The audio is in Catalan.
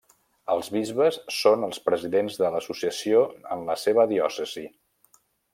Els bisbes són els presidents de l'associació en la seva diòcesi.